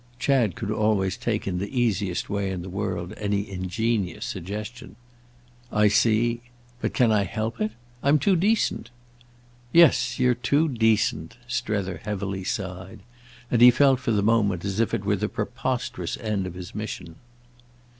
Chad could always take in the easiest way in the world any ingenious suggestion. "I see. But can I help it? I'm too decent." "Yes, you're too decent!" Strether heavily sighed. And he felt for the moment as if it were the preposterous end of his mission.